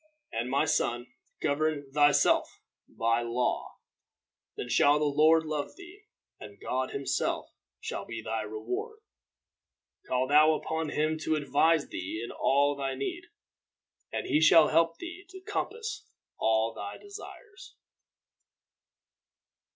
And, my son, govern thyself by law. Then shall the Lord love thee, and God himself shall be thy reward. Call thou upon him to advise thee in all thy need, and he shall help thee to compass all thy desires."